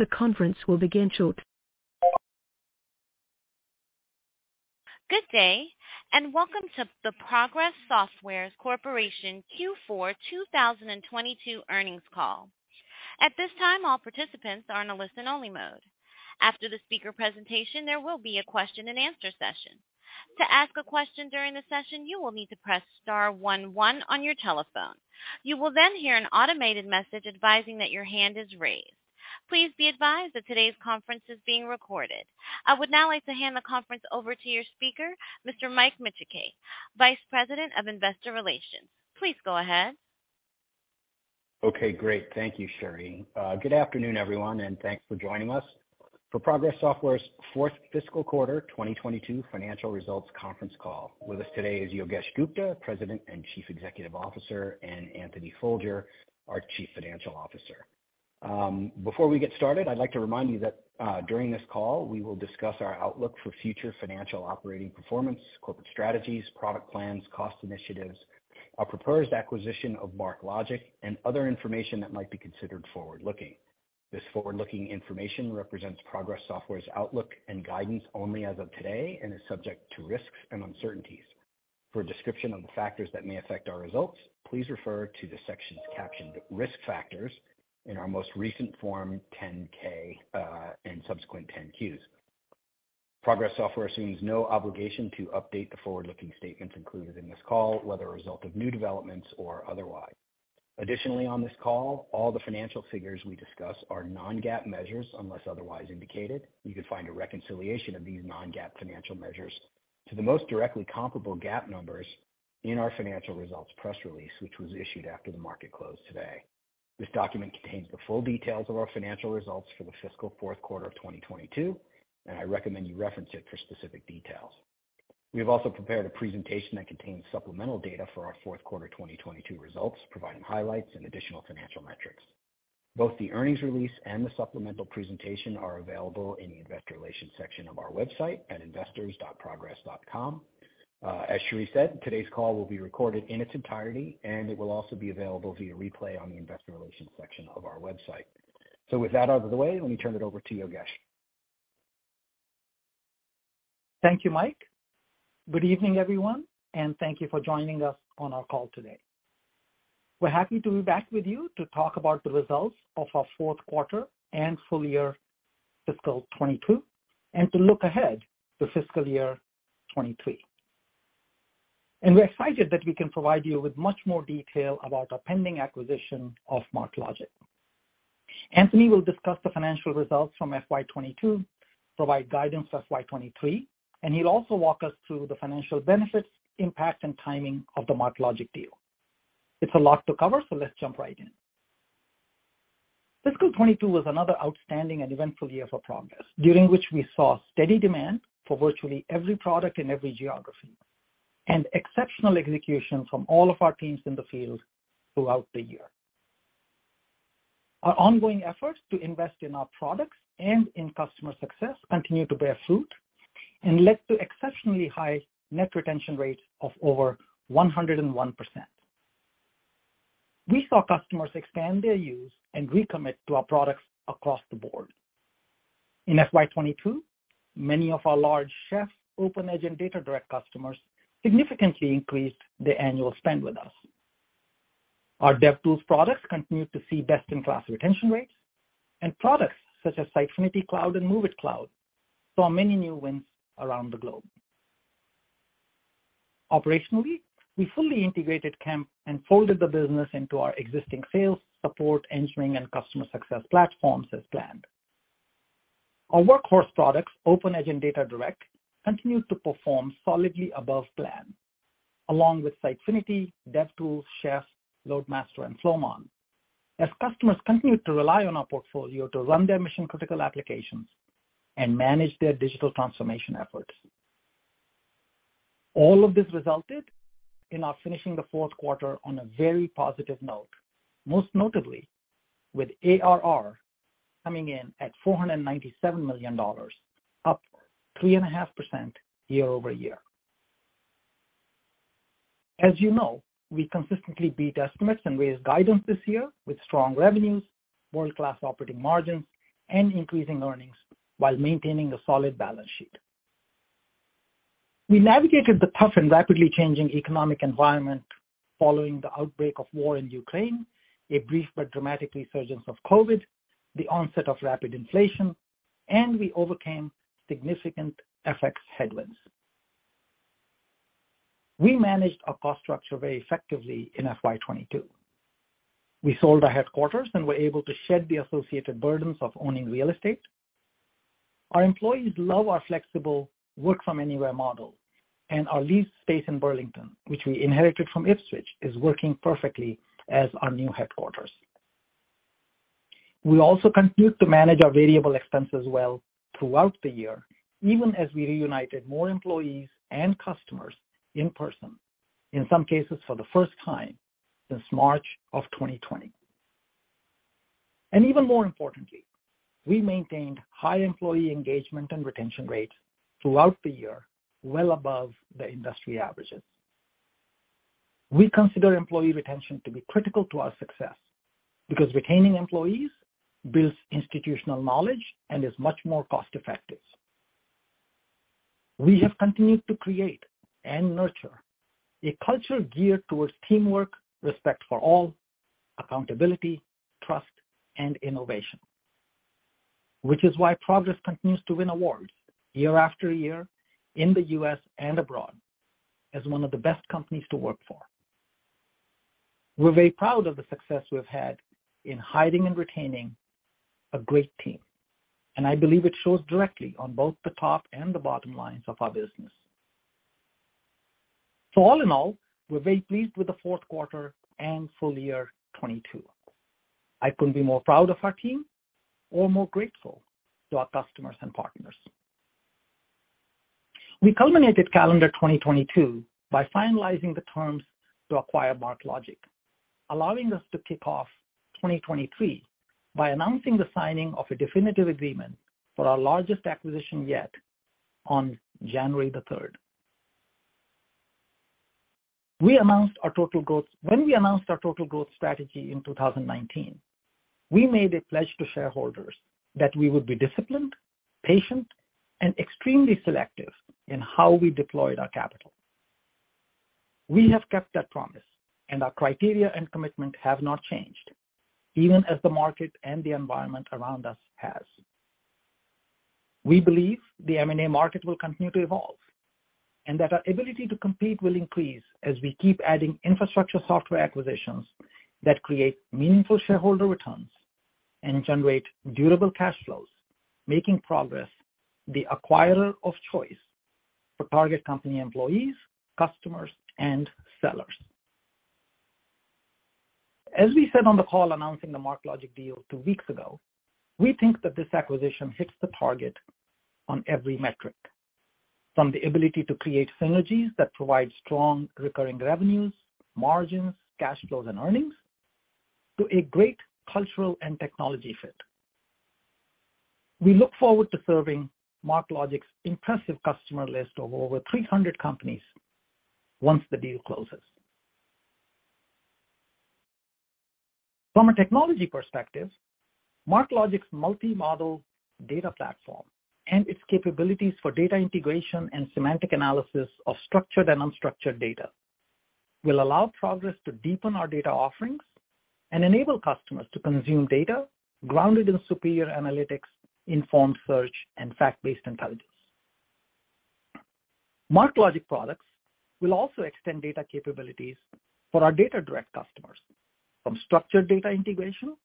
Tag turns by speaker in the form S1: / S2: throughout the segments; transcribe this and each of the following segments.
S1: The conference will begin shortly. Good day, and welcome to the Progress Software Corporation Q4 2022 earnings call. At this time, all participants are in a listen-only mode. After the speaker presentation, there will be a question-and-answer session. To ask a question during the session, you will need to press star one one on your telephone. You will then hear an automated message advising that your hand is raised. Please be advised that today's conference is being recorded. I would now like to hand the conference over to your speaker, Mr. Michael Micciche, Vice President of Investor Relations. Please go ahead.
S2: Okay, great. Thank you, Sherry. Good afternoon, everyone, and thanks for joining us for Progress Software's fourth fiscal quarter 2022 financial results conference call. With us today is Yogesh Gupta, president and chief executive officer, and Anthony Folger, our chief financial officer. Before we get started, I'd like to remind you that during this call, we will discuss our outlook for future financial operating performance, corporate strategies, product plans, cost initiatives, our proposed acquisition of MarkLogic, and other information that might be considered forward-looking. This forward-looking information represents Progress Software's outlook and guidance only as of today and is subject to risks and uncertainties. For a description of the factors that may affect our results, please refer to the sections captioned Risk Factors in our most recent Form 10-K and subsequent 10-Qs. Progress Software assumes no obligation to update the forward-looking statements included in this call, whether a result of new developments or otherwise. Additionally, on this call, all the financial figures we discuss are Non-GAAP measures unless otherwise indicated. You can find a reconciliation of these Non-GAAP financial measures to the most directly comparable GAAP numbers in our financial results press release, which was issued after the market closed today. This document contains the full details of our financial results for the fiscal fourth quarter of 2022, and I recommend you reference it for specific details. We have also prepared a presentation that contains supplemental data for our fourth quarter 2022 results, providing highlights and additional financial metrics. Both the earnings release and the supplemental presentation are available in the investor relations section of our website at investors.progress.com. As Sherry said, today's call will be recorded in its entirety. It will also be available via replay on the investor relations section of our website. With that out of the way, let me turn it over to Yogesh.
S3: Thank you, Mike. Good evening, everyone, and thank you for joining us on our call today. We're happy to be back with you to talk about the results of our fourth quarter and full year fiscal 2022 and to look ahead to fiscal year 2023. We're excited that we can provide you with much more detail about our pending acquisition of MarkLogic. Anthony will discuss the financial results from FY 2022, provide guidance for FY 2023, and he'll also walk us through the financial benefits, impact, and timing of the MarkLogic deal. It's a lot to cover, so let's jump right in. Fiscal 2022 was another outstanding and eventful year for Progress, during which we saw steady demand for virtually every product in every geography and exceptional execution from all of our teams in the field throughout the year. Our ongoing efforts to invest in our products and in customer success continued to bear fruit and led to exceptionally high Net Retention rates of over 101%. We saw customers expand their use and recommit to our products across the board. In FY 2022, many of our large Chef, OpenEdge, and DataDirect customers significantly increased their annual spend with us. Our DevTools products continued to see best-in-class retention rates, and products such as Sitefinity Cloud and MOVEit Cloud saw many new wins around the globe. Operationally, we fully integrated Kemp and folded the business into our existing sales, support, engineering, and customer success platforms as planned. Our workhorse products, OpenEdge and DataDirect, continued to perform solidly above plan, along with Sitefinity, DevTools, Chef, LoadMaster, and Flowmon, as customers continued to rely on our portfolio to run their mission-critical applications and manage their digital transformation efforts. All of this resulted in our finishing the fourth quarter on a very positive note, most notably with ARR coming in at $497 million, up 3.5% year-over-year. As you know, we consistently beat estimates and raised guidance this year with strong revenues, world-class operating margins, and increasing earnings while maintaining a solid balance sheet. We navigated the tough and rapidly changing economic environment following the outbreak of war in Ukraine, a brief but dramatic resurgence of Covid, the onset of rapid inflation, we overcame significant FX headwinds. We managed our cost structure very effectively in FY 2022. We sold our headquarters and were able to shed the associated burdens of owning real estate. Our employees love our flexible work from anywhere model, and our leased space in Burlington, which we inherited from Ipswitch, is working perfectly as our new headquarters. We also continued to manage our variable expenses well throughout the year, even as we reunited more employees and customers in person, in some cases for the first time since March of 2020. Even more importantly, we maintained high employee engagement and retention rates throughout the year, well above the industry averages. We consider employee retention to be critical to our success because retaining employees builds institutional knowledge and is much more cost effective. We have continued to create and nurture a culture geared towards teamwork, respect for all, accountability, trust, and innovation. Progress continues to win awards year after year in the U.S. and abroad as one of the best companies to work for. We're very proud of the success we've had in hiring and retaining a great team, I believe it shows directly on both the top and the bottom lines of our business. All in all, we're very pleased with the fourth quarter and full year 2022. I couldn't be more proud of our team or more grateful to our customers and partners. We culminated calendar 2022 by finalizing the terms to acquire MarkLogic, allowing us to kick off 2023 by announcing the signing of a definitive agreement for our largest acquisition yet on January 3rd. When we announced our total growth strategy in 2019, we made a pledge to shareholders that we would be disciplined, patient, and extremely selective in how we deployed our capital. We have kept that promise, and our criteria and commitment have not changed, even as the market and the environment around us has. We believe the M&A market will continue to evolve, and that our ability to compete will increase as we keep adding infrastructure software acquisitions that create meaningful shareholder returns and generate durable cash flows, making Progress the acquirer of choice for target company employees, customers, and sellers. As we said on the call announcing the MarkLogic deal two weeks ago, we think that this acquisition hits the target on every metric, from the ability to create synergies that provide strong recurring revenues, margins, cash flows, and earnings, to a great cultural and technology fit. We look forward to serving MarkLogic's impressive customer list of over 300 companies once the deal closes. From a technology perspective, MarkLogic's multi-model data platform and its capabilities for data integration and semantic analysis of structured and unstructured data will allow Progress to deepen our data offerings and enable customers to consume data grounded in superior analytics, informed search, and fact-based intelligence. MarkLogic products will also extend data capabilities for our DataDirect customers from structured data integration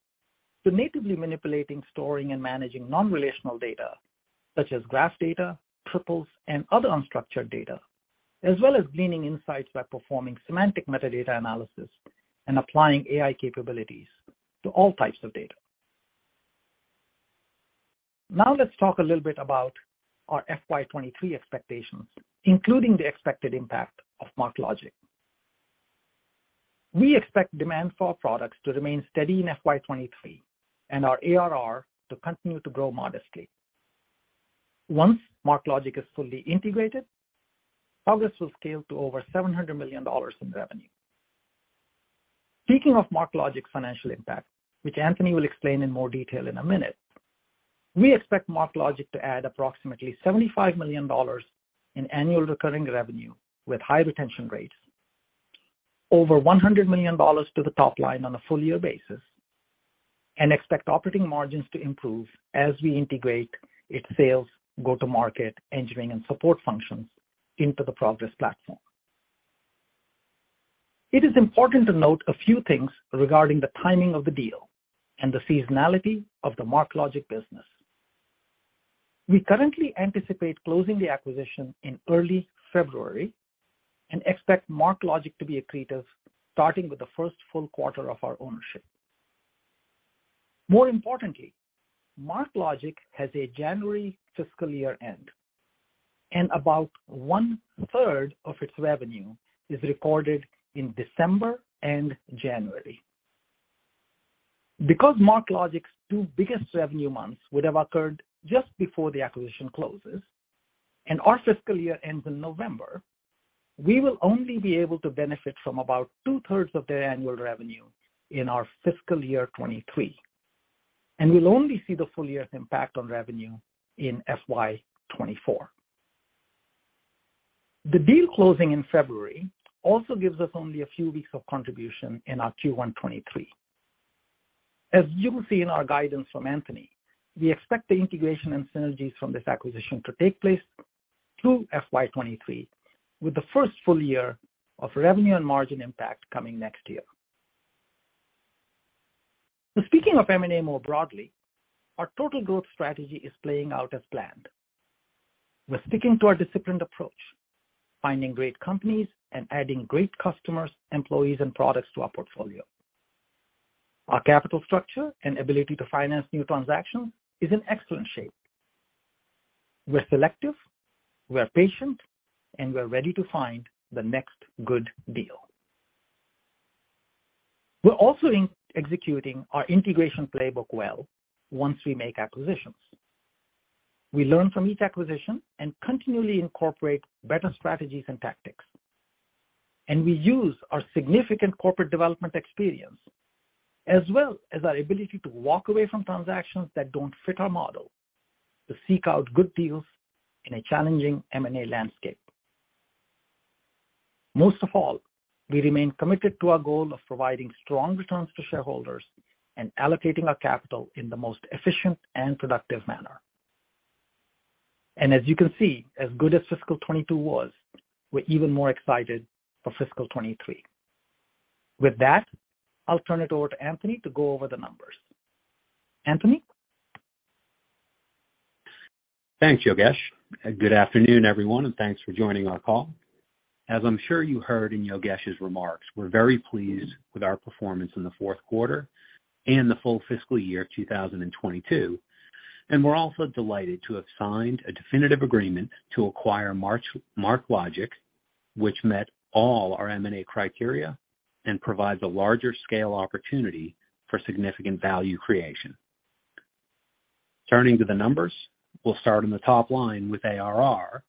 S3: to natively manipulating, storing, and managing non-relational data such as graph data, triples, and other unstructured data, as well as gleaning insights by performing semantic metadata analysis and applying AI capabilities to all types of data. Now let's talk a little bit about our FY 2023 expectations, including the expected impact of MarkLogic. We expect demand for our products to remain steady in FY 2023 and our ARR to continue to grow modestly. Once MarkLogic is fully integrated, Progress will scale to over $700 million in revenue. Speaking of MarkLogic's financial impact, which Anthony will explain in more detail in a minute, we expect MarkLogic to add approximately $75 million in annual recurring revenue with high retention rates, over $100 million to the top line on a full year basis, and expect operating margins to improve as we integrate its sales, go-to-market, engineering, and support functions into the Progress platform. It is important to note a few things regarding the timing of the deal and the seasonality of the MarkLogic business. We currently anticipate closing the acquisition in early February and expect MarkLogic to be accretive starting with the first full quarter of our ownership. More importantly, MarkLogic has a January fiscal year-end, and about one-third of its revenue is recorded in December and January. MarkLogic's two biggest revenue months would have occurred just before the acquisition closes and our fiscal year ends in November, we will only be able to benefit from about 2/3 of their annual revenue in our fiscal year 2023, and we'll only see the full year's impact on revenue in FY 2024. The deal closing in February also gives us only a few weeks of contribution in our Q1 2023. As you will see in our guidance from Anthony, we expect the integration and synergies from this acquisition to take place through FY 2023, with the first full year of revenue and margin impact coming next year. Speaking of M&A more broadly, our total growth strategy is playing out as planned. We're sticking to our disciplined approach, finding great companies and adding great customers, employees, and products to our portfolio. Our capital structure and ability to finance new transactions is in excellent shape. We're selective, we're patient, and we're ready to find the next good deal. We're also in executing our integration playbook well once we make acquisitions. We learn from each acquisition and continually incorporate better strategies and tactics. We use our significant corporate development experience, as well as our ability to walk away from transactions that don't fit our model, to seek out good deals in a challenging M&A landscape. Most of all, we remain committed to our goal of providing strong returns to shareholders and allocating our capital in the most efficient and productive manner. As you can see, as good as fiscal 2022 was, we're even more excited for fiscal 2023. With that, I'll turn it over to Anthony to go over the numbers. Anthony?
S4: Thanks, Yogesh. Good afternoon, everyone, and thanks for joining our call. As I'm sure you heard in Yogesh's remarks, we're very pleased with our performance in the fourth quarter and the full fiscal year of 2022. We're also delighted to have signed a definitive agreement to acquire MarkLogic, which met all our M&A criteria and provides a larger scale opportunity for significant value creation. Turning to the numbers, we'll start on the top line with ARR,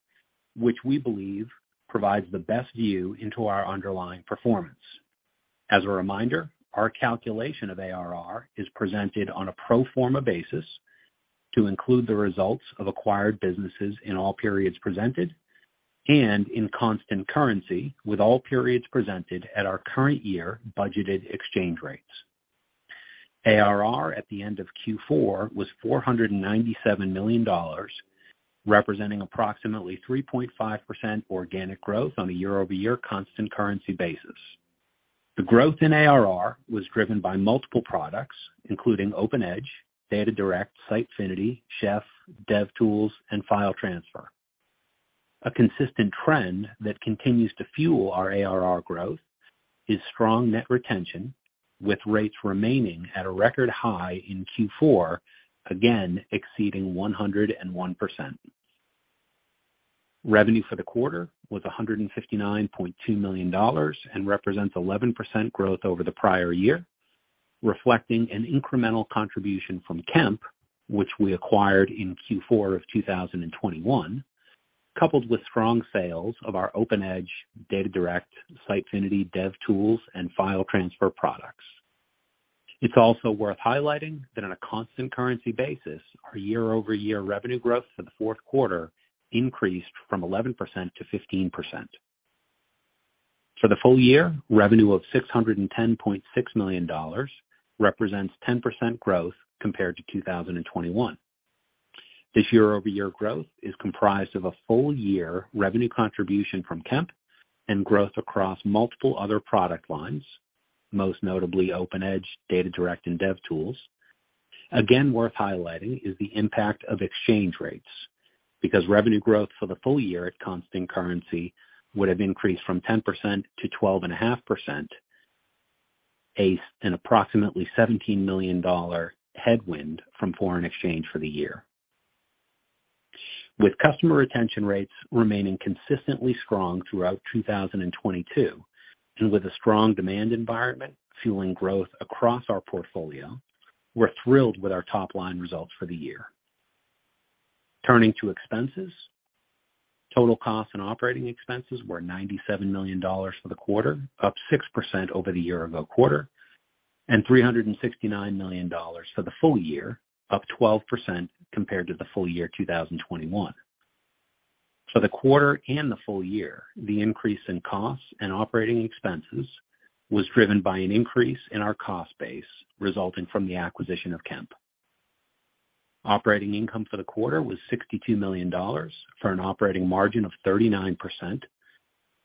S4: which we believe provides the best view into our underlying performance. As a reminder, our calculation of ARR is presented on a pro forma basis to include the results of acquired businesses in all periods presented, and in constant currency with all periods presented at our current year budgeted exchange rates. ARR at the end of Q4 was $497 million, representing approximately 3.5% organic growth on a year-over-year constant currency basis. The growth in ARR was driven by multiple products, including OpenEdge, DataDirect, Sitefinity, Chef, DevTools, and FileTransfer. A consistent trend that continues to fuel our ARR growth is strong Net Retention, with rates remaining at a record high in Q4, again exceeding 101%. Revenue for the quarter was $159.2 million and represents 11% growth over the prior year, reflecting an incremental contribution from Kemp, which we acquired in Q4 of 2021, coupled with strong sales of our OpenEdge, DataDirect, Sitefinity, DevTools, and FileTransfer products. It's also worth highlighting that on a constant currency basis, our year-over-year revenue growth for the fourth quarter increased from 11%-15%. For the full year, revenue of $610.6 million represents 10% growth compared to 2021. This year-over-year growth is comprised of a full year revenue contribution from Kemp and growth across multiple other product lines, most notably OpenEdge, DataDirect, and DevTools. Worth highlighting is the impact of exchange rates, because revenue growth for the full year at constant currency would have increased from 10% to 12.5%, an approximately $17 million headwind from foreign exchange for the year. With customer retention rates remaining consistently strong throughout 2022, and with a strong demand environment fueling growth across our portfolio, we're thrilled with our top line results for the year. Turning to expenses. Total costs and operating expenses were $97 million for the quarter, up 6% over the year ago quarter, and $369 million for the full year, up 12% compared to the full year 2021. For the quarter and the full year, the increase in costs and operating expenses was driven by an increase in our cost base resulting from the acquisition of Kemp. Operating income for the quarter was $62 million, for an operating margin of 39%,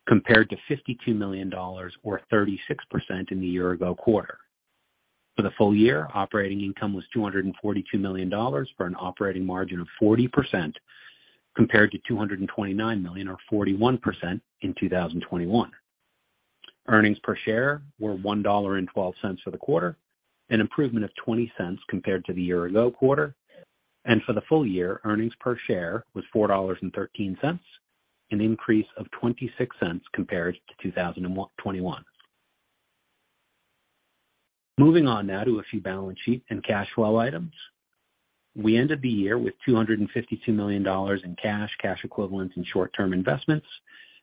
S4: compared to $52 million or 36% in the year ago quarter. For the full year, operating income was $242 million for an operating margin of 40%, compared to $229 million or 41% in 2021. Earnings per share were $1.12 for the quarter, an improvement of $0.20 compared to the year-ago quarter. For the full year, earnings per share was $4.13, an increase of $0.26 compared to 2021. Moving on now to a few balance sheet and cash flow items. We ended the year with $252 million in cash equivalents, and short-term investments,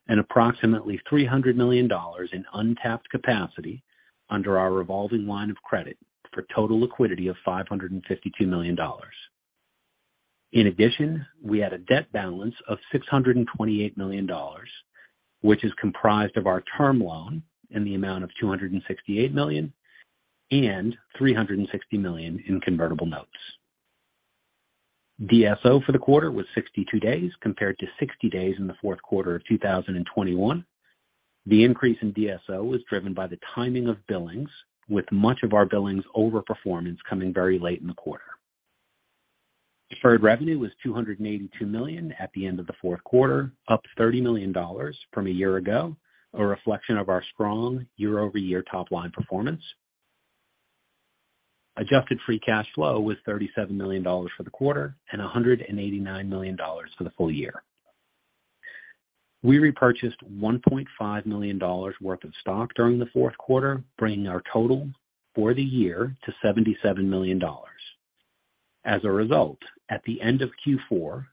S4: and approximately $300 million in untapped capacity under our revolving line of credit for total liquidity of $552 million. In addition, we had a debt balance of $628 million, which is comprised of our term loan in the amount of $268 million and $360 million in convertible notes. DSO for the quarter was 62 days compared to 60 days in the fourth quarter of 2021. The increase in DSO was driven by the timing of billings, with much of our billings overperformance coming very late in the quarter. Deferred revenue was $282 million at the end of the fourth quarter, up $30 million from a year ago, a reflection of our strong year-over-year top-line performance. Adjusted free cash flow was $37 million for the quarter and $189 million for the full year. We repurchased $1.5 million worth of stock during the fourth quarter, bringing our total for the year to $77 million. As a result, at the end of Q4,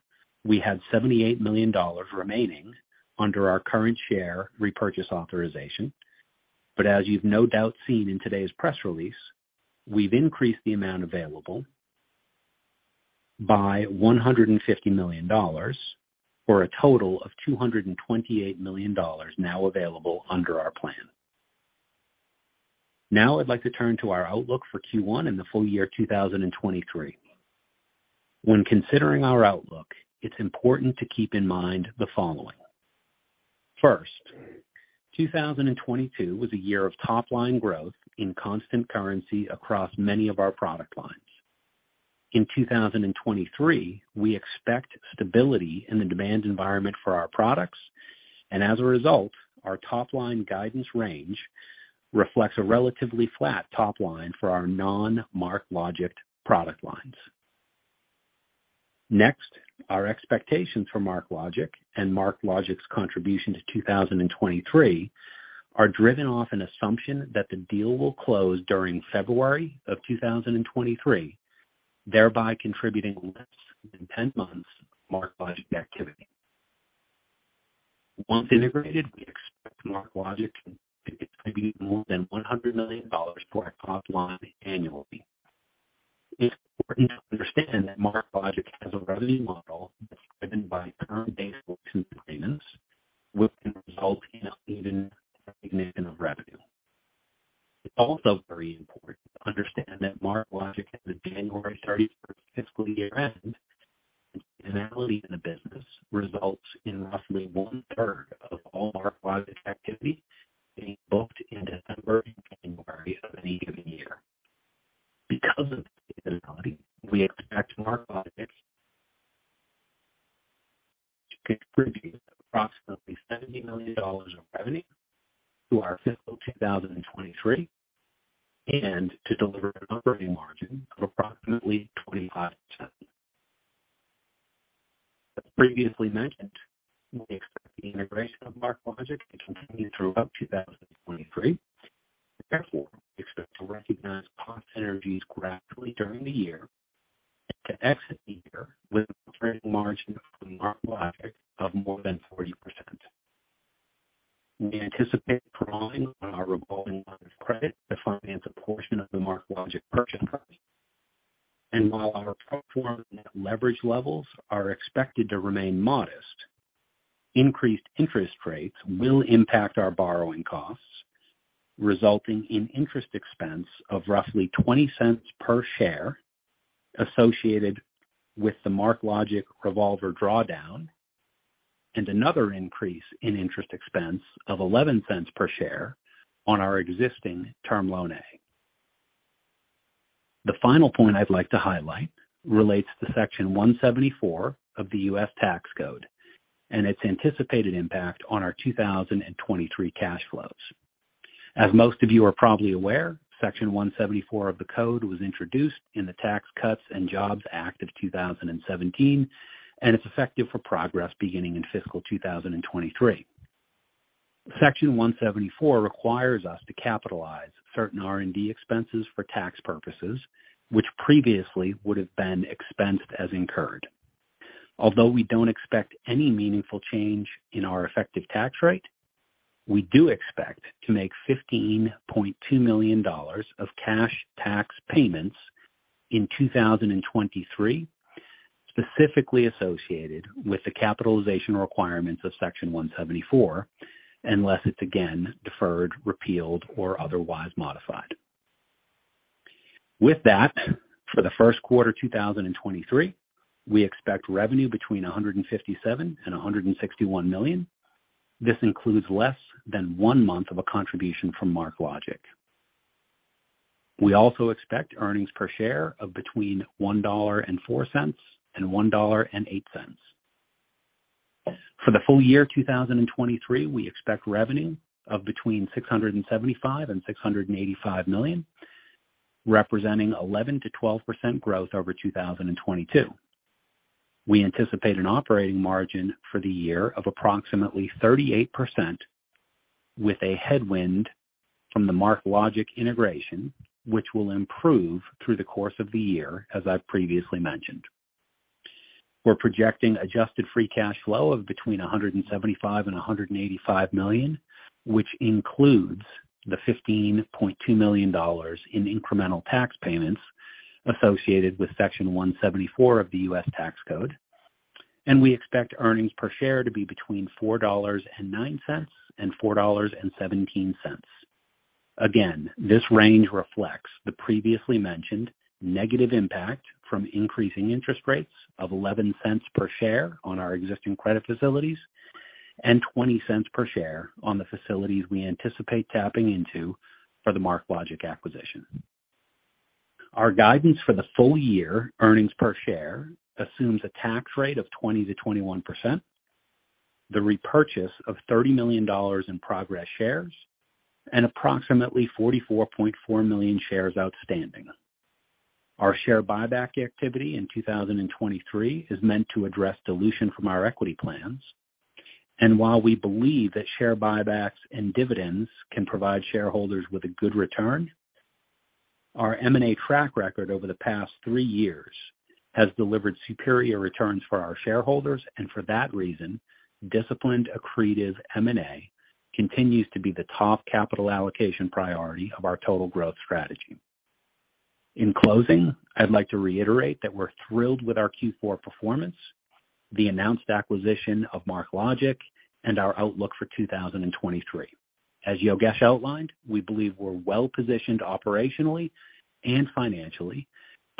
S4: we had $78 million remaining under our current share repurchase authorization. As you've no doubt seen in today's press release, we've increased the amount available by $150 million for a total of $228 million now available under our plan. I'd like to turn to our outlook for Q1 and the full year 2023. When considering our outlook, it's important to keep in mind the following. First, 2022 was a year of top line growth in constant currency across many of our product lines. In 2023, we expect stability in the demand environment for our products, and as a result, our top line guidance range reflects a relatively flat top line for our non MarkLogic product lines. Our expectations for MarkLogic and MarkLogic's contribution to 2023 are driven off an assumption that the deal will close during February of 2023, thereby contributing less than 10 months of MarkLogic activity. Once integrated, we expect MarkLogic to contribute more than $100 million to our top line resulting in interest expense of roughly $0.20 per share associated with the MarkLogic revolver drawdown, and another increase in interest expense of $0.11 per share on our existing Term Loan A. The final point I'd like to highlight relates to Section 174 of the U.S. Tax Code and its anticipated impact on our 2023 cash flows. As most of you are probably aware, Section 174 of the code was introduced in the Tax Cuts and Jobs Act of 2017, and it's effective for Progress beginning in fiscal 2023. Section 174 requires us to capitalize certain R&D expenses for tax purposes, which previously would have been expensed as incurred. Although we don't expect any meaningful change in our effective tax rate, we do expect to make $15.2 million of cash tax payments in 2023, specifically associated with the capitalization requirements of Section 174, unless it's again deferred, repealed or otherwise modified. With that, for the first quarter 2023, we expect revenue between $157 million and $161 million. This includes less than one month of a contribution from MarkLogic. We also expect earnings per share of between $1.04 and $1.08. For the full year 2023, we expect revenue of between $675 million and $685 million, representing 11%-12% growth over 2022. We anticipate an operating margin for the year of approximately 38% with a headwind from the MarkLogic integration, which will improve through the course of the year, as I've previously mentioned. We're projecting adjusted free cash flow of between $175 million and $185 million, which includes the $15.2 million in incremental tax payments associated with Section 174 of the U.S. Tax Code. We expect earnings per share to be between $4.09 and $4.17. This range reflects the previously mentioned negative impact from increasing interest rates of $0.11 per share on our existing credit facilities and $0.20 per share on the facilities we anticipate tapping into for the MarkLogic acquisition. Our guidance for the full year earnings per share assumes a tax rate of 20%-21%, the repurchase of $30 million in Progress shares, and approximately 44.4 million shares outstanding. Our share buyback activity in 2023 is meant to address dilution from our equity plans. While we believe that share buybacks and dividends can provide shareholders with a good return, our M&A track record over the past three years has delivered superior returns for our shareholders. For that reason, disciplined, accretive M&A continues to be the top capital allocation priority of our total growth strategy. In closing, I'd like to reiterate that we're thrilled with our Q4 performance, the announced acquisition of MarkLogic, and our outlook for 2023. As Yogesh outlined, we believe we're well-positioned operationally and financially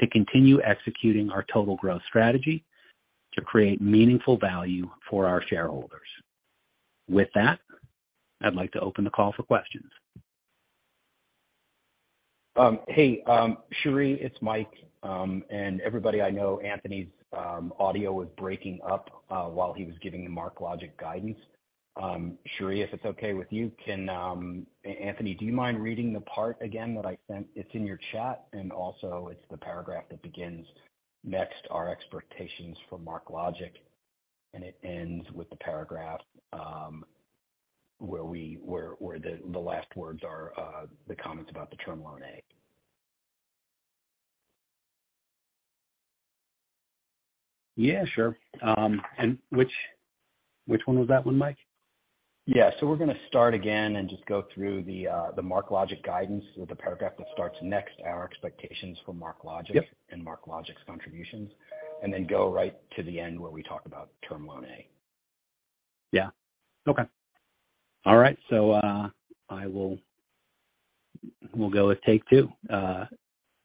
S4: to continue executing our total growth strategy to create meaningful value for our shareholders. With that, I'd like to open the call for questions.
S2: Hey, Sherry, it's Mike. Everybody I know Anthony's audio was breaking up while he was giving the MarkLogic guidance. Sherry, if it's okay with you, Anthony, do you mind reading the part again that I sent? It's in your chat, and also it's the paragraph that begins, "Next, our expectations for MarkLogic," and it ends with the paragraph where the last words are the comments about the Term Loan A.
S4: Yeah, sure. Which one was that one, Mike?
S2: Yeah. We're gonna start again and just go through the MarkLogic guidance with the paragraph that starts, "Next, our expectations for MarkLogic-
S4: Yep.
S2: MarkLogic's contributions," and then go right to the end where we talk about Term Loan A. Yeah. Okay. All right. We'll go with take two.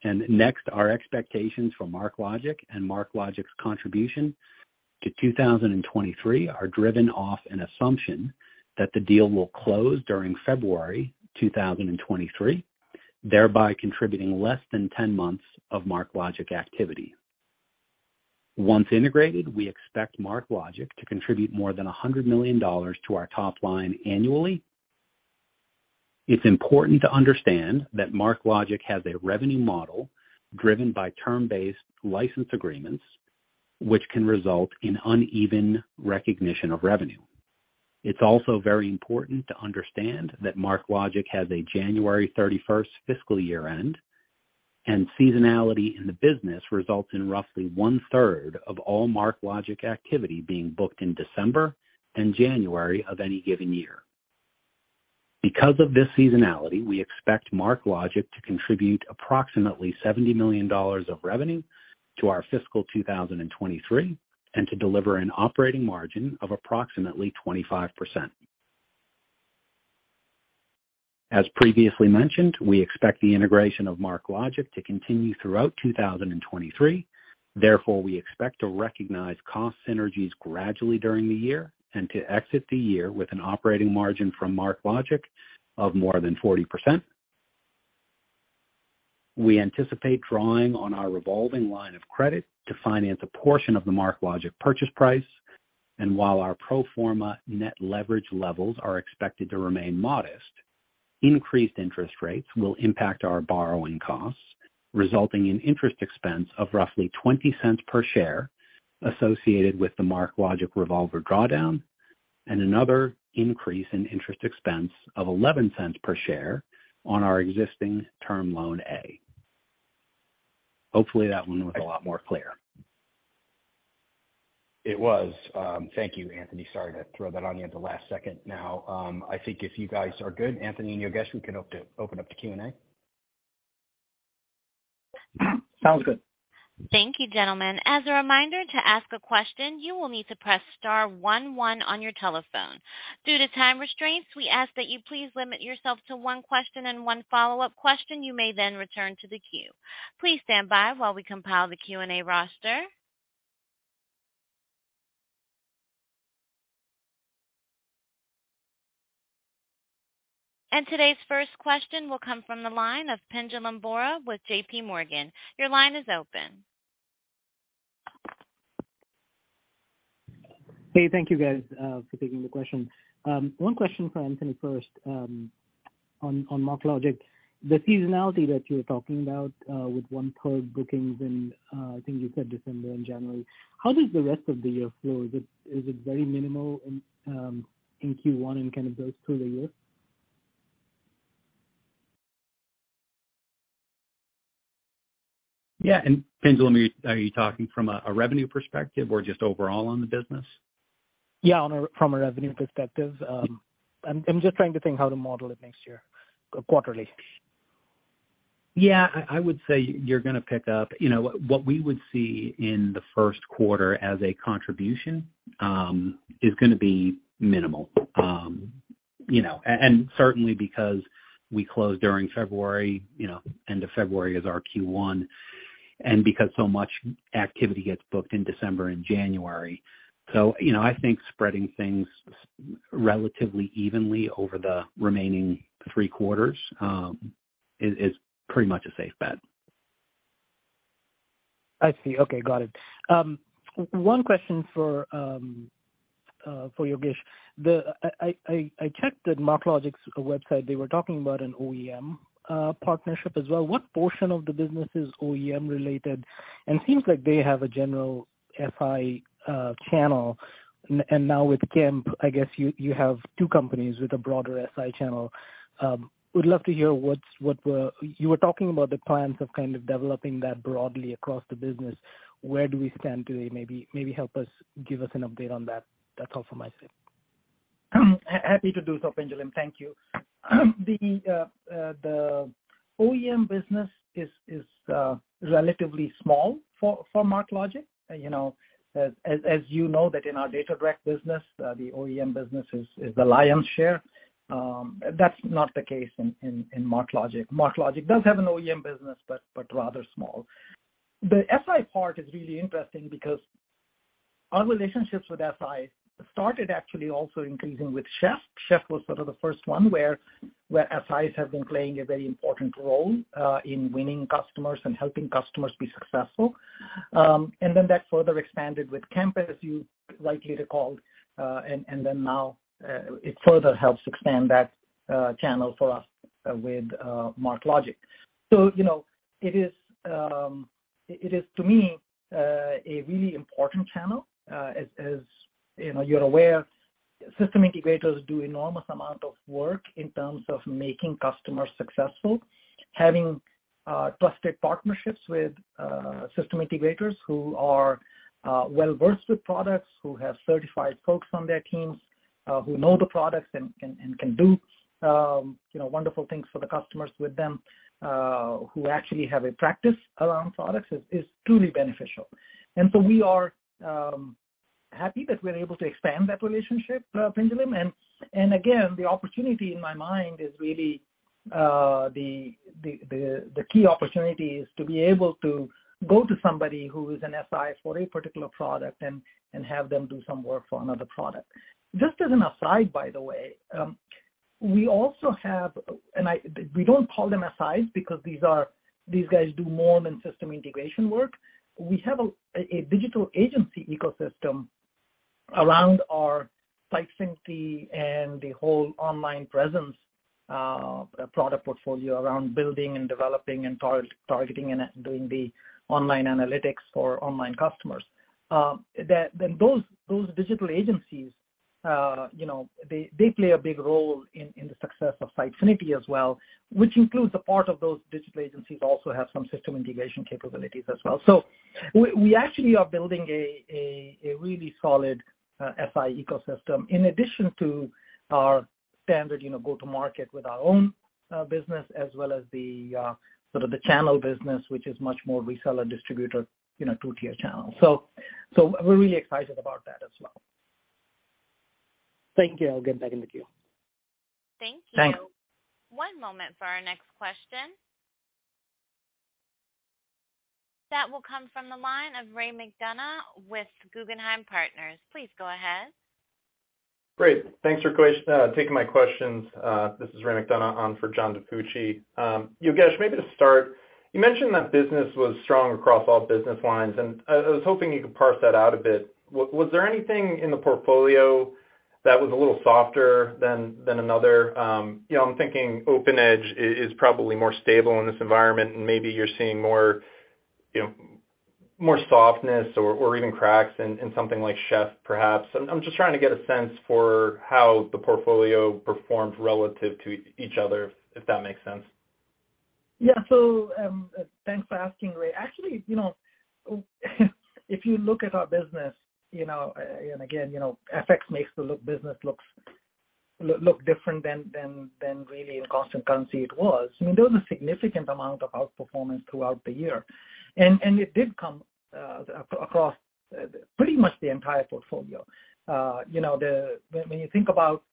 S2: Next, our expectations for MarkLogic and MarkLogic's contribution to 2023 are driven off an assumption that the deal will close during February 2023, thereby contributing less than 10 months of MarkLogic activity. Once integrated, we expect MarkLogic to contribute more than $100 million to our top line annually. It's important to understand that MarkLogic has a revenue model driven by term-based license agreements, which can result in uneven recognition of revenue. It's also very important to understand that MarkLogic has a January 31st fiscal year-end, and seasonality in the business results in roughly one-third of all MarkLogic activity being booked in December and January of any given year.
S4: Because of this seasonality, we expect MarkLogic to contribute approximately $70 million of revenue to our fiscal 2023 and to deliver an operating margin of approximately 25%. As previously mentioned, we expect the integration of MarkLogic to continue throughout 2023. Therefore, we expect to recognize cost synergies gradually during the year and to exit the year with an operating margin from MarkLogic of more than 40%. We anticipate drawing on our revolving line of credit to finance a portion of the MarkLogic purchase price. While our pro forma net leverage levels are expected to remain modest, increased interest rates will impact our borrowing costs, resulting in interest expense of roughly $0.20 per share associated with the MarkLogic revolver drawdown and another increase in interest expense of $0.11 per share on our existing Term Loan A. Hopefully that one was a lot more clear.
S2: It was. Thank you, Anthony. Sorry to throw that on you at the last second. Now, I think if you guys are good, Anthony and Yogesh, we can open up the Q&A.
S4: Sounds good.
S1: Thank you, gentlemen. As a reminder, to ask a question, you will need to press star one one on your telephone. Due to time restraints, we ask that you please limit yourself to one question and one follow-up question. You may then return to the queue. Please stand by while we compile the Q&A roster. Today's first question will come from the line of Pinjalim Bora with J.P. Morgan. Your line is open.
S5: Hey, thank you, guys, for taking the question. One question for Anthony first, on MarkLogic. The seasonality that you were talking about, with one-third bookings in, I think you said December and January, how does the rest of the year flow? Is it very minimal in Q1 and kind of goes through the year?
S4: Yeah. Pinjalim, are you talking from a revenue perspective or just overall on the business?
S5: Yeah, from a revenue perspective. I'm just trying to think how to model it next year, quarterly.
S4: Yeah. I would say you're gonna pick up... You know, what we would see in the first quarter as a contribution is gonna be minimal. You know, and certainly because we close during February, you know, end of February is our Q1, and because so much activity gets booked in December and January. You know, I think spreading things relatively evenly over the remaining three quarters is pretty much a safe bet.
S5: I see. Okay. Got it. One question for Yogesh. I checked that MarkLogic's website, they were talking about an OEM partnership as well. What portion of the business is OEM related? Seems like they have a general SI channel. Now with Kemp, I guess you have two companies with a broader SI channel. Would love to hear what we're You were talking about the plans of kind of developing that broadly across the business. Where do we stand today? Maybe, maybe help us give us an update on that. That's all for my sake.
S3: Happy to do so, Pinjalim. Thank you. The OEM business is relatively small for MarkLogic. You know, as you know that in our DataDirect business, the OEM business is the lion's share. That's not the case in MarkLogic. MarkLogic does have an OEM business, but rather small. The SI part is really interesting because our relationships with SI started actually also increasing with Chef. Chef was sort of the first one where SIs have been playing a very important role in winning customers and helping customers be successful. That further expanded with Kemp, as you rightly recalled, now it further helps expand that channel for us with MarkLogic. You know, it is, it is to me, a really important channel, as you know, you're aware, system integrators do enormous amount of work in terms of making customers successful. Having trusted partnerships with system integrators who are well-versed with products, who have certified folks on their teams, who know the products and, and can do, you know, wonderful things for the customers with them, who actually have a practice around products is truly beneficial. We are happy that we're able to expand that relationship, Pinjalim Bora. And again, the opportunity in my mind is really, the, the key opportunity is to be able to go to somebody who is an SI for a particular product and have them do some work for another product. Just as an aside, by the way, we also have. We don't call them SIs because these guys do more than system integration work. We have a digital agency ecosystem around our Sitefinity and the whole online presence product portfolio around building and developing and targeting and doing the online analytics for online customers. Those digital agencies, you know, they play a big role in the success of Sitefinity as well, which includes a part of those digital agencies also have some system integration capabilities as well. We actually are building a really solid SI ecosystem in addition to our standard, you know, go-to-market with our own business, as well as the sort of the channel business, which is much more reseller distributor, you know, two-tier channel. We're really excited about that as well.
S5: Thank you. I'll get back in the queue.
S1: Thank you.
S5: Thanks.
S1: One moment for our next question. That will come from the line of Ray McDonough with Guggenheim Partners. Please go ahead.
S6: Great. Thanks for taking my questions. This is Ray McDonough on for John DiFucci. Yogesh, maybe to start, you mentioned that business was strong across all business lines, and I was hoping you could parse that out a bit. Was there anything in the portfolio that was a little softer than another? You know, I'm thinking OpenEdge is probably more stable in this environment, and maybe you're seeing more, you know, more softness or even cracks in something like Chef perhaps. I'm just trying to get a sense for how the portfolio performed relative to each other, if that makes sense.
S3: Thanks for asking, Ray. Actually, you know, if you look at our business, you know, again, you know, FX makes the business looks different than really in constant currency it was. I mean, there was a significant amount of outperformance throughout the year. It did come across pretty much the entire portfolio. You know, when you think about,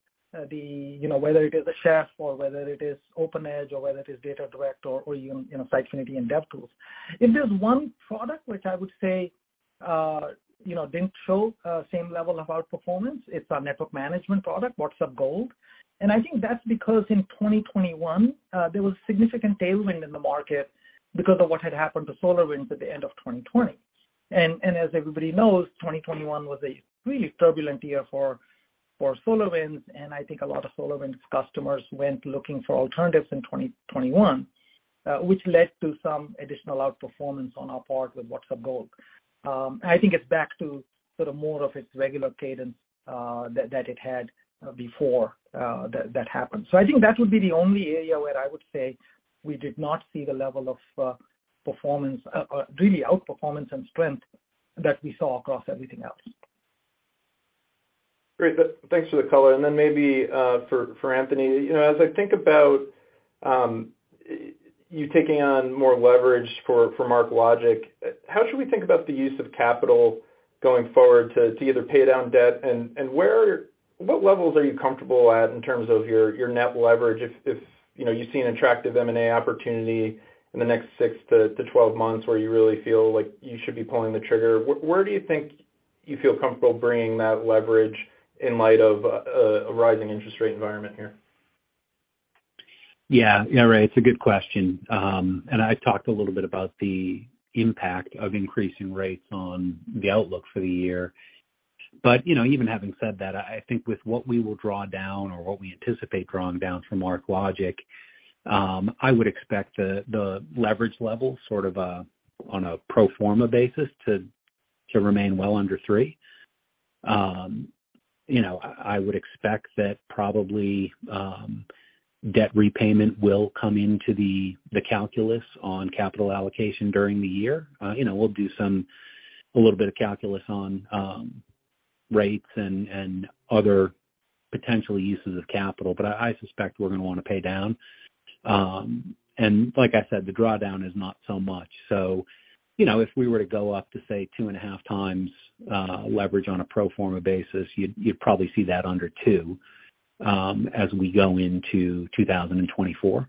S3: you know, whether it is Chef or whether it is OpenEdge or whether it is DataDirect or even, you know, Sitefinity and DevTools. If there's one product which I would say, you know, didn't show same level of outperformance, it's our network management product, WhatsUp Gold. I think that's because in 2021, there was significant tailwind in the market because of what had happened to SolarWinds at the end of 2020. As everybody knows, 2021 was a really turbulent year for SolarWinds, and I think a lot of SolarWinds customers went looking for alternatives in 2021, which led to some additional outperformance on our part with WhatsUp Gold. I think it's back to sort of more of its regular cadence that it had before that happened. I think that would be the only area where I would say we did not see the level of performance, really outperformance and strength that we saw across everything else.
S6: Great. Thanks for the color. Then maybe for Anthony, you know, as I think about you taking on more leverage for MarkLogic, how should we think about the use of capital going forward to either pay down debt and where? What levels are you comfortable at in terms of your net leverage if, you know, you see an attractive M&A opportunity in the next 6-12 months where you really feel like you should be pulling the trigger? Where do you think you feel comfortable bringing that leverage in light of a rising interest rate environment here?
S4: Yeah, Ray, it's a good question. And I've talked a little bit about the impact of increasing rates on the outlook for the year. You know, even having said that, I think with what we will draw down or what we anticipate drawing down from MarkLogic, I would expect the leverage level sort of on a pro forma basis to remain well under three. You know, I would expect that probably debt repayment will come into the calculus on capital allocation during the year. You know, we'll do a little bit of calculus on rates and other potential uses of capital. I suspect we're gonna wanna pay down. Like I said, the drawdown is not so much. You know, if we were to go up to say 2.5x leverage on a pro forma basis, you'd probably see that under two as we go into 2024.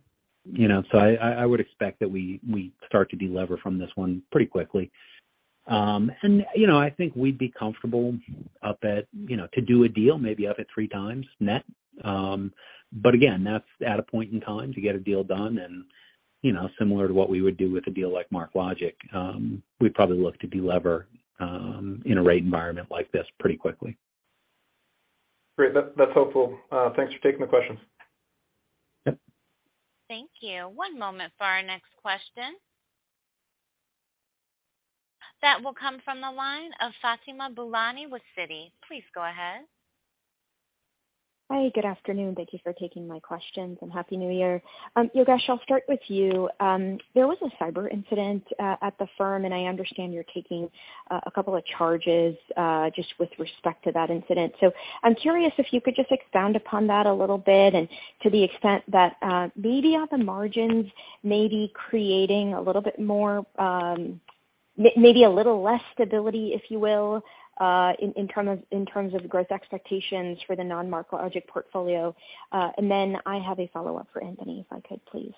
S4: You know, I would expect that we start to delever from this one pretty quickly. You know, I think we'd be comfortable up at, you know, to do a deal maybe up at 3x net. Again, that's at a point in time to get a deal done and, you know, similar to what we would do with a deal like MarkLogic, we'd probably look to delever in a rate environment like this pretty quickly.
S6: Great. That's helpful. Thanks for taking the questions.
S4: Yep.
S1: Thank you. One moment for our next question. That will come from the line of Fatima Boolani with Citi. Please go ahead.
S7: Hi, good afternoon. Thank you for taking my questions, and Happy New Year. Yogesh, I'll start with you. There was a cyber incident at the firm, and I understand you're taking a couple of charges just with respect to that incident. I'm curious if you could just expound upon that a little bit and to the extent that maybe on the margins maybe creating a little bit more, maybe a little less stability, if you will, in terms of growth expectations for the non-MarkLogic portfolio. Then I have a follow-up for Anthony, if I could please.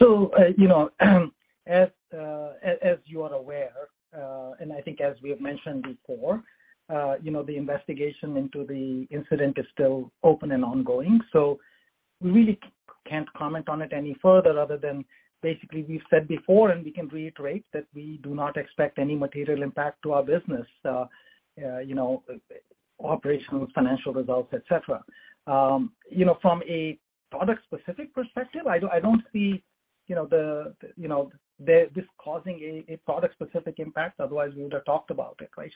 S3: You know, as, as you are aware, and I think as we have mentioned before, you know, the investigation into the incident is still open and ongoing, we really can't comment on it any further other than basically we've said before and we can reiterate that we do not expect any material impact to our business, you know, operational, financial results, et cetera. You know, from a product specific perspective, I don't, I don't see, you know, the, you know, this causing a product specific impact, otherwise we would have talked about it, right?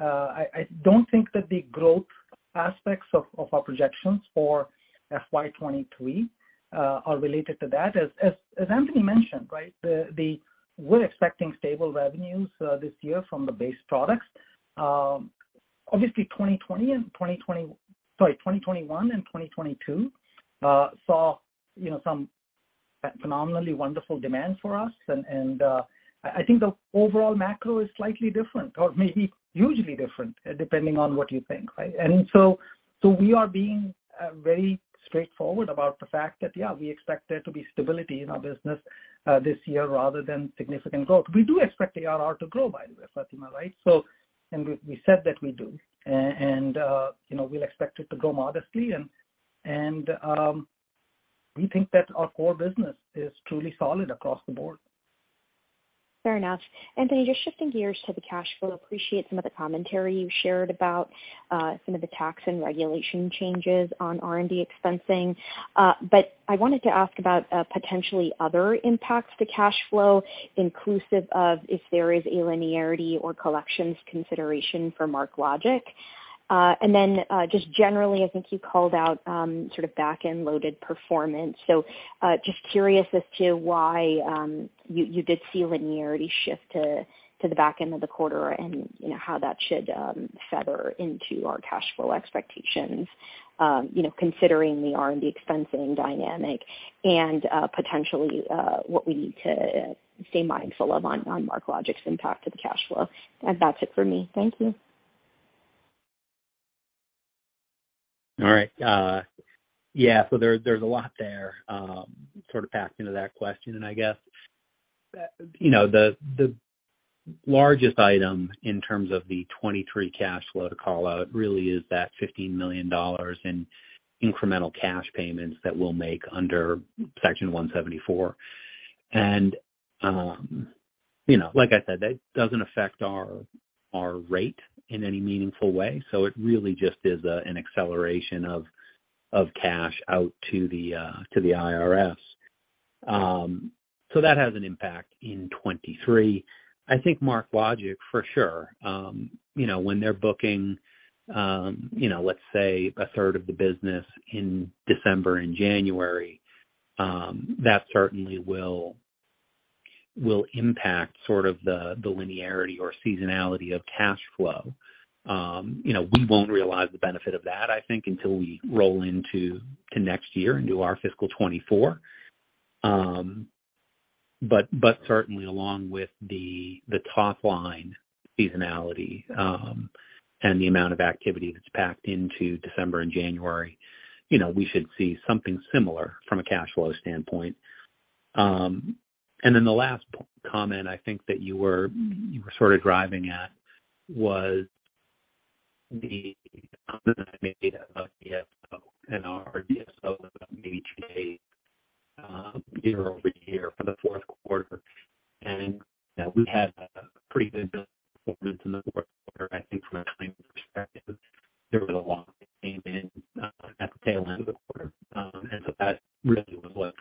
S3: I don't think that the growth aspects of our projections for FY 2023, are related to that. As Anthony mentioned, right, we're expecting stable revenues, this year from the base products. Obviously 2020 and 2020... Sorry, 2021 and 2022 saw, you know, some phenomenally wonderful demand for us. I think the overall macro is slightly different or maybe hugely different depending on what you think, right? We are being very straightforward about the fact that, yeah, we expect there to be stability in our business this year rather than significant growth. We do expect ARR to grow, by the way, Fatima, right? We said that we do. And, you know, we'll expect it to grow modestly. We think that our core business is truly solid across the board.
S7: Fair enough. Anthony, just shifting gears to the cash flow. Appreciate some of the commentary you shared about, some of the tax and regulation changes on R&D expensing. I wanted to ask about, potentially other impacts to cash flow, inclusive of if there is a linearity or collections consideration for MarkLogic. And then, just generally, I think you called out, sort of back-end loaded performance. Just curious as to why, you did see linearity shift to the back end of the quarter and, you know, how that should, feather into our cash flow expectations, you know, considering the R&D expensing dynamic and, potentially, what we need to stay mindful of on MarkLogic's impact to the cash flow. That's it for me. Thank you.
S4: All right. Yeah. There, there's a lot there, sort of packed into that question. I guess, you know, the largest item in terms of the 2023 cash flow to call out really is that $15 million in incremental cash payments that we'll make under Section 174. You know, like I said, that doesn't affect our rate in any meaningful way. It really just is an acceleration of cash out to the IRS. That has an impact in 2023. I think MarkLogic for sure, you know, when they're booking, you know, let's say a third of the business in December and January, that certainly will impact sort of the linearity or seasonality of cash flow. you know, we won't realize the benefit of that, I think, until we roll into, to next year, into our fiscal 2024. Certainly along with the top line seasonality, and the amount of activity that's packed into December and January, you know, we should see something similar from a cash flow standpoint. Then the last comment I think that you were, you were sort of driving at. The comment that I made about DSO and our DSO was up each day year-over-year for the fourth quarter. You know, we had a pretty good bill performance in the fourth quarter. I think from a timing perspective, there was a lot that came in at the tail end of the quarter. That really was what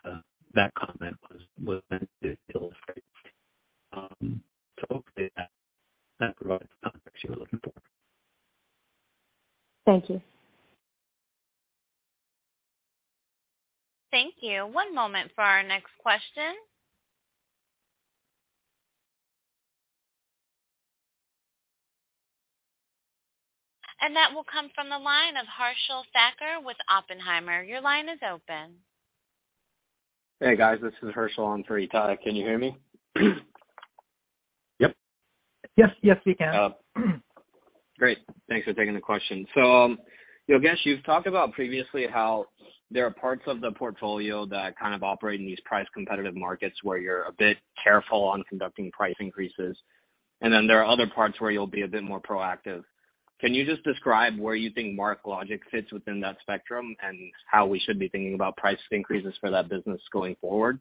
S4: that comment was meant to illustrate. Hopefully that provides the context you were looking for.
S7: Thank you.
S1: Thank you. One moment for our next question. That will come from the line of Harshil Thakkar with Oppenheimer. Your line is open.
S8: Hey, guys, this is Harshil. I'm pretty tired. Can you hear me?
S4: Yep.
S3: Yes. Yes, we can.
S8: Great. Thanks for taking the question. Yogesh, you've talked about previously how there are parts of the portfolio that kind of operate in these price competitive markets where you're a bit careful on conducting price increases, and then there are other parts where you'll be a bit more proactive. Can you just describe where you think MarkLogic fits within that spectrum and how we should be thinking about price increases for that business going forward?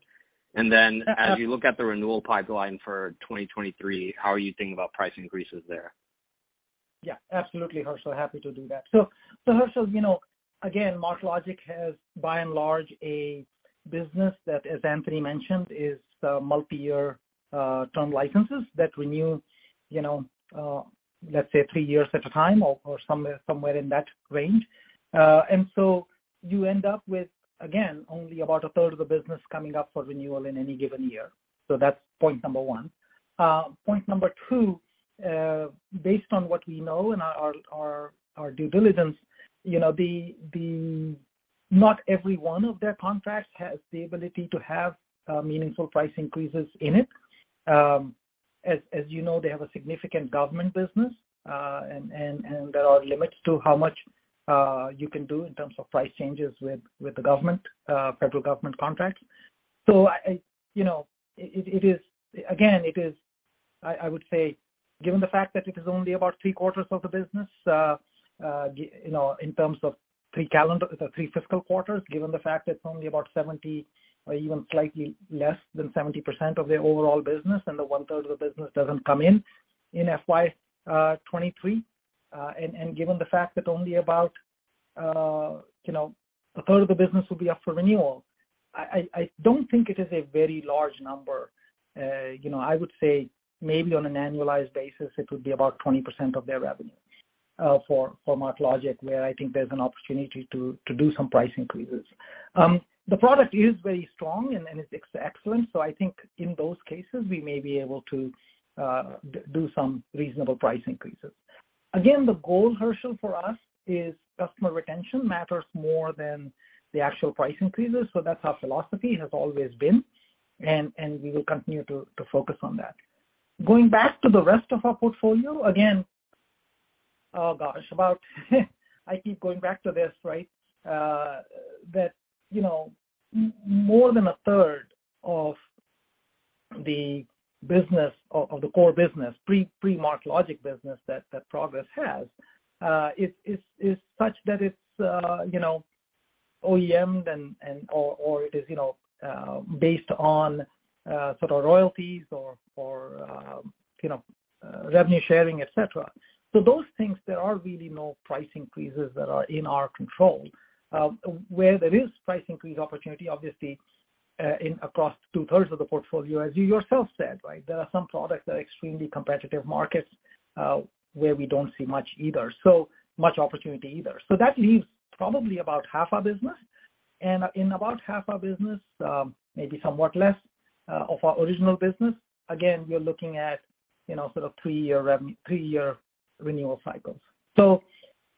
S8: As you look at the renewal pipeline for 2023, how are you thinking about price increases there?
S3: Yeah, absolutely, Harshil. Happy to do that. Harshil, you know, again, MarkLogic has by and large, a business that, as Anthony mentioned, is multi-year term licenses that renew, you know, let's say three years at a time or somewhere in that range. You end up with, again, only about a third of the business coming up for renewal in any given year. That's point 1. Point 2, based on what we know and our due diligence, you know, not every one of their contracts has the ability to have meaningful price increases in it. As you know, they have a significant government business, and there are limits to how much you can do in terms of price changes with the government, federal government contracts. you know, it is, again, it is, I would say, given the fact that it is only about three-quarters of the business, you know, in terms of three calendar or three fiscal quarters, given the fact it's only about 70% or even slightly less than 70% of their overall business, and the one-third of the business doesn't come in in FY 2023. given the fact that only about, you know, a third of the business will be up for renewal, I don't think it is a very large number. You know, I would say maybe on an annualized basis, it would be about 20% of their revenue for MarkLogic, where I think there's an opportunity to do some price increases. The product is very strong and it's excellent. I think in those cases, we may be able to do some reasonable price increases. Again, the goal, Harshil, for us is customer retention matters more than the actual price increases. That's our philosophy, has always been, and we will continue to focus on that. Going back to the rest of our portfolio, again, gosh, about I keep going back to this, right? That, you know, more than a third of the business or the core business, pre-MarkLogic business that Progress has, is such that it's, you know, OEM-ed or it is, you know, based on sort of royalties or, you know, revenue sharing, et cetera. Those things, there are really no price increases that are in our control. Where there is price increase opportunity, obviously, across two-thirds of the portfolio, as you yourself said, right? There are some products that are extremely competitive markets, where we don't see much either, so much opportunity either. That leaves probably about half our business. In about half our business, maybe somewhat less of our original business, again, we're looking at, you know, sort of three-year renewal cycles.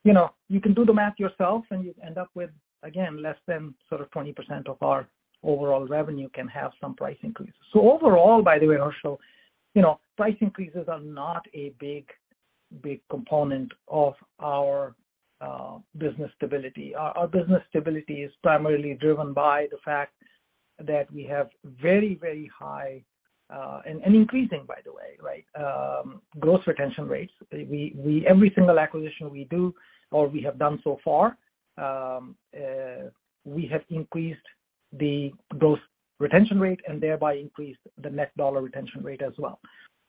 S3: You know, you can do the math yourself, and you end up with, again, less than sort of 20% of our overall revenue can have some price increases. Overall, by the way, Harshal, you know, price increases are not a big, big component of our business stability. Our business stability is primarily driven by the fact that we have very, very high, and increasing by the way, right, growth retention rates. Every single acquisition we do or we have done so far, we have increased the growth retention rate and thereby increased the Net Dollar Retention rate as well.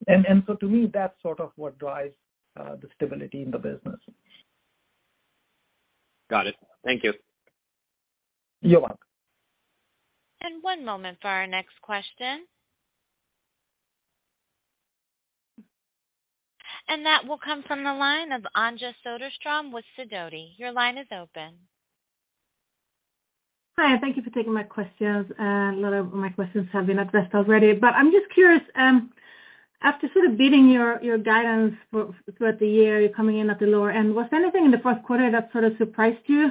S3: To me, that's sort of what drives the stability in the business.
S8: Got it. Thank you.
S3: You're welcome.
S1: One moment for our next question. That will come from the line of Anja Soderstrom with Sidoti. Your line is open.
S9: Hi, thank you for taking my questions. A lot of my questions have been addressed already. I'm just curious, after sort of beating your guidance throughout the year, you're coming in at the lower end. Was there anything in the fourth quarter that sort of surprised you?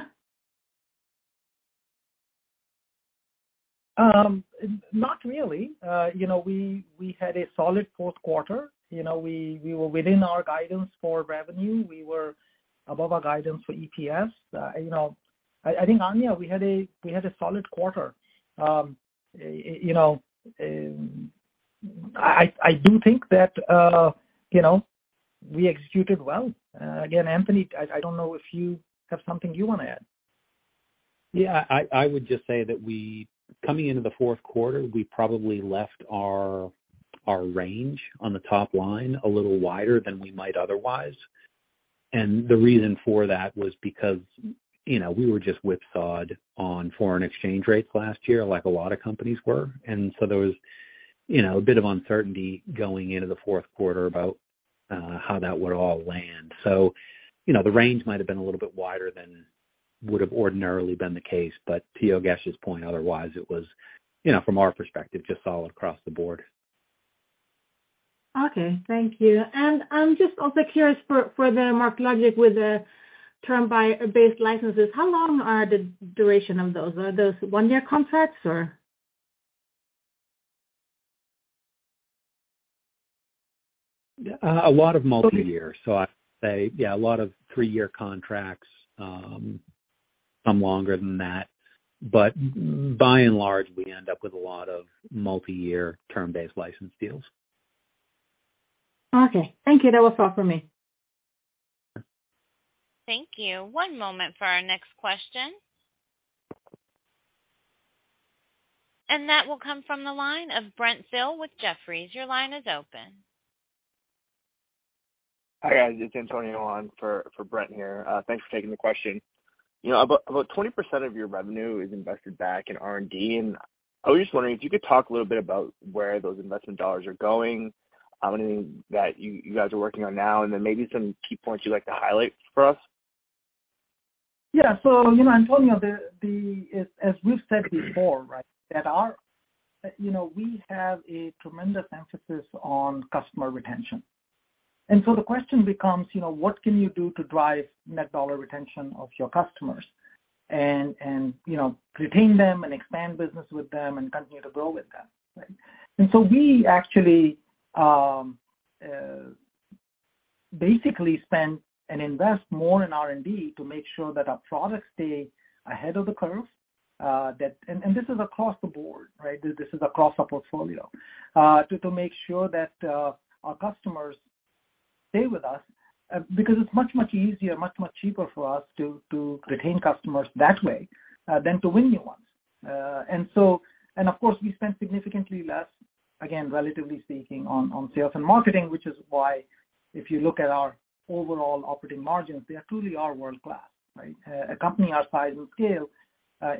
S3: Not really. You know, we had a solid fourth quarter. You know, we were within our guidance for revenue. We were above our guidance for EPS. You know, I think, Anja, we had a solid quarter. You know, I do think that, you know, we executed well. Again, Anthony, I don't know if you have something you wanna add.
S4: Yeah. I would just say that coming into the fourth quarter, we probably left our range on the top line a little wider than we might otherwise. The reason for that was because, you know, we were just whipsawed on foreign exchange rates last year, like a lot of companies were. There was, you know, a bit of uncertainty going into the fourth quarter about how that would all land. The range might have been a little bit wider than would have ordinarily been the case, but to Yogesh's point, otherwise, it was, you know, from our perspective, just solid across the board.
S9: Okay. Thank you. I'm just also curious for the MarkLogic with the term buy based licenses, how long are the duration of those? Are those one-year contracts or?
S4: Yeah. A lot of multiyear. I'd say, yeah, a lot of three-year contracts, some longer than that. by and large, we end up with a lot of multiyear term-based license deals.
S9: Okay. Thank you. That was all for me.
S1: Thank you. One moment for our next question. That will come from the line of Brent Thill with Jefferies. Your line is open.
S10: Hi, guys. It's Antonio on for Brent here. Thanks for taking the question. You know, about 20% of your revenue is invested back in R&D, and I was just wondering if you could talk a little bit about where those investment dollars are going, anything that you guys are working on now, and then maybe some key points you'd like to highlight for us.
S3: Yeah. You know, Antonio, as we've said before, right, you know, we have a tremendous emphasis on customer retention. The question becomes, you know, what can you do to drive net dollar retention of your customers and, you know, retain them and expand business with them and continue to grow with them, right? We actually basically spend and invest more in R&D to make sure that our products stay ahead of the curve, this is across the board, right? This is across our portfolio to make sure that our customers stay with us because it's much, much easier, much, much cheaper for us to retain customers that way than to win new ones. Of course, we spend significantly less, again, relatively speaking, on sales and marketing, which is why if you look at our overall operating margins, they truly are world-class, right. A company our size and scale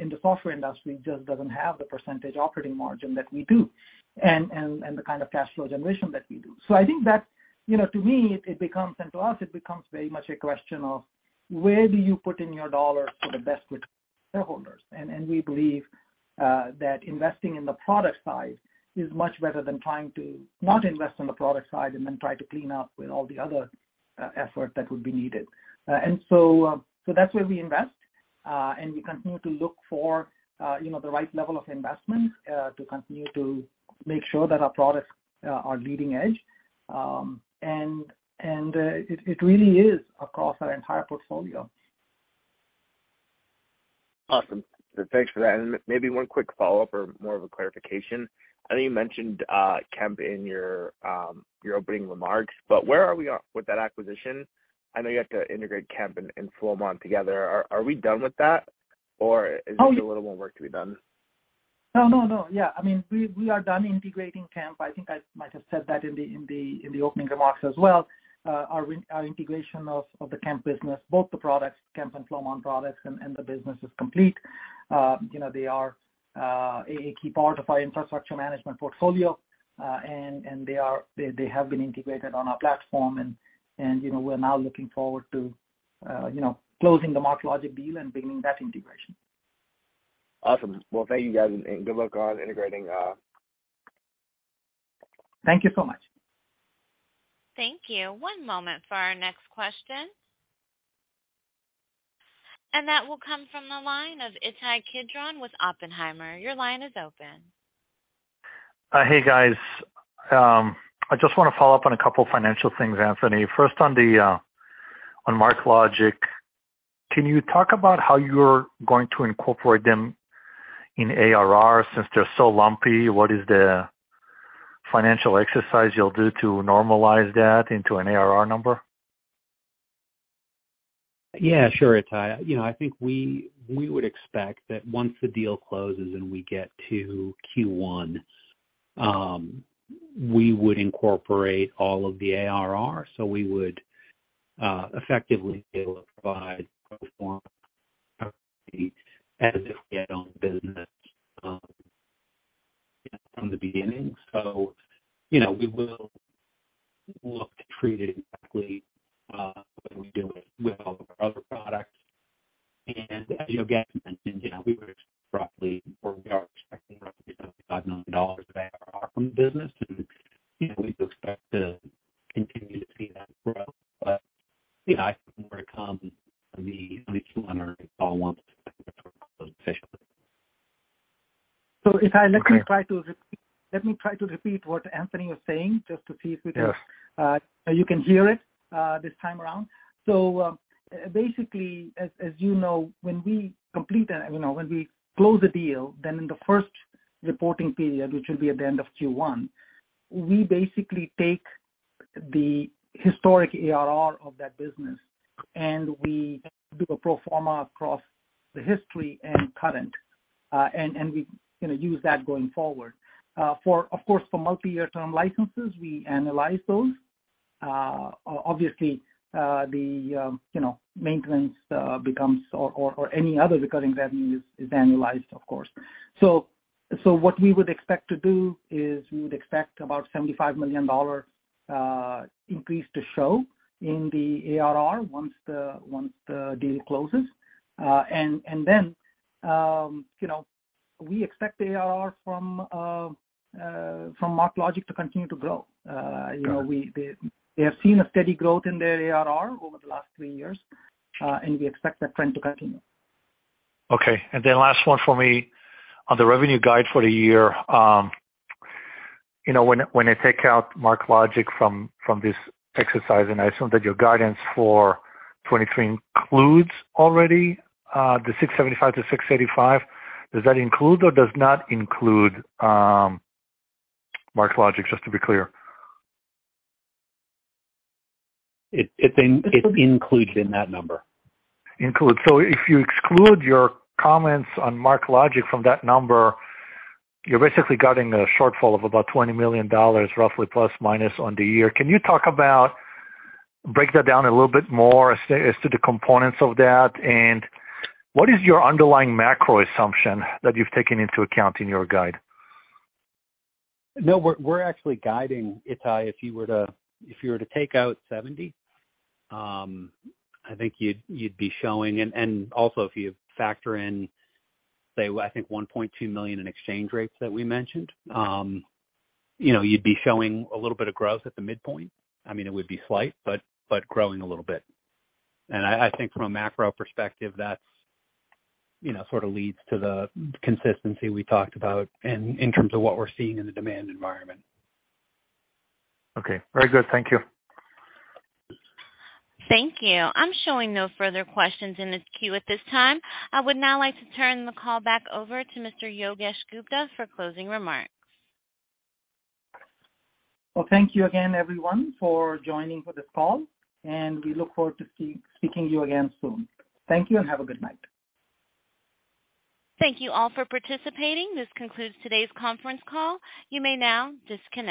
S3: in the software industry just doesn't have the percentage operating margin that we do and the kind of cash flow generation that we do. I think that, you know, to me it becomes, and to us, it becomes very much a question of where do you put in your dollars to the best with shareholders. And we believe that investing in the product side is much better than trying to not invest on the product side and then try to clean up with all the other effort that would be needed. That's where we invest, and we continue to look for, you know, the right level of investment, to continue to make sure that our products are leading edge. It really is across our entire portfolio.
S10: Awesome. Thanks for that. Maybe one quick follow-up or more of a clarification. I know you mentioned Kemp in your opening remarks, but where are we on with that acquisition? I know you have to integrate Kemp and Flowmon together. Are we done with that or is just?
S3: Oh....
S10: a little more work to be done?
S3: No, no. Yeah. I mean, we are done integrating Kemp. I think I might have said that in the opening remarks as well. Our integration of the Kemp business, both the products, Kemp and Flowmon products and the business is complete. You know, they are a key part of our infrastructure management portfolio. They have been integrated on our platform and, you know, we're now looking forward to, you know, closing the MarkLogic deal and bringing that integration.
S10: Awesome. Well, thank you, guys, and good luck on integrating...
S3: Thank you so much.
S1: Thank you. One moment for our next question. That will come from the line of Ittai Kidron with Oppenheimer. Your line is open.
S11: Hey, guys. I just wanna follow up on a couple financial things, Anthony. First on the on MarkLogic, can you talk about how you're going to incorporate them in ARR since they're so lumpy? What is the financial exercise you'll do to normalize that into an ARR number?
S4: Sure, Ittai. You know, I think we would expect that once the deal closes and we get to Q1, we would incorporate all of the ARR. We would effectively be able to provide platform as if we had owned the business, you know, from the beginning. You know, we will look to treat it exactly the way we do it with all of our other products. As Yogesh mentioned, you know, we would roughly or we are expecting roughly $75 million of ARR from the business. You know, we expect to continue to see that growth. You know, I think more to come in the Q1 earnings call once officially.
S3: So Ittai
S11: Okay.
S3: Let me try to repeat what Anthony was saying just to see.
S11: Yeah.
S3: You can hear it this time around. Basically, as you know, when we complete a. You know, when we close the deal, then in the first reporting period, which will be at the end of Q1, we basically take the historic ARR of that business, and we do a pro forma across the history and current, and we gonna use that going forward. For of course, for multi-year term licenses, we analyze those. Obviously, the, you know, maintenance becomes or any other recurring revenue is annualized, of course. What we would expect to do is we would expect about $75 million increase to show in the ARR once the deal closes. You know, we expect ARR from MarkLogic to continue to grow.
S11: Got it.
S3: You know, they have seen a steady growth in their ARR over the last three years. We expect that trend to continue.
S11: Okay. Then last one for me. On the revenue guide for the year, you know, when I take out MarkLogic from this exercise, and I assume that your guidance for 2023 includes already the $675 million-$685 million. Does that include or does not include MarkLogic, just to be clear?
S4: It's included in that number.
S11: Included. If you exclude your comments on MarkLogic from that number, you're basically guiding a shortfall of about $20 million roughly plus minus on the year. Can you break that down a little bit more as to the components of that? What is your underlying macro assumption that you've taken into account in your guide?
S4: No, we're actually guiding, Ittai, if you were to take out 70, I think you'd be showing. Also if you factor in, say, I think $1.2 million in exchange rates that we mentioned, you know, you'd be showing a little bit of growth at the midpoint. I mean, it would be slight, but growing a little bit. I think from a macro perspective that's, you know, sort of leads to the consistency we talked about and in terms of what we're seeing in the demand environment.
S11: Okay. Very good. Thank you.
S1: Thank you. I'm showing no further questions in this queue at this time. I would now like to turn the call back over to Mr. Yogesh Gupta for closing remarks.
S3: Well, thank you again everyone for joining for this call, and we look forward to speaking to you again soon. Thank you and have a good night.
S1: Thank you all for participating. This concludes today's conference call. You may now disconnect.